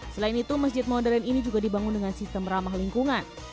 selain itu masjid modern ini juga dibangun dengan sistem ramah lingkungan